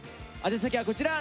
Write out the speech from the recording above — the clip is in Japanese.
宛先はこちら！